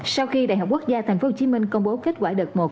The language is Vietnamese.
sau khi đại học quốc gia tp hcm công bố kết quả đợt một